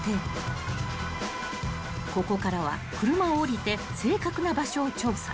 ［ここからは車を降りて正確な場所を調査］